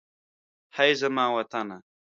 هئ! زما وطنه.